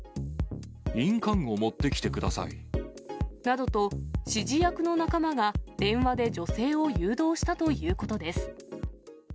印鑑を持ってきてください。などと、指示役の仲間が電話で女性を誘導したということです。